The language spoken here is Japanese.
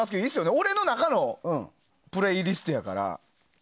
俺の中のプレイリストやから。